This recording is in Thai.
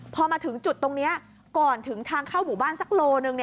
พอมาถึงจุดตรงนี้ก่อนถึงทางเข้าหมู่บ้านสักโลหนึ่ง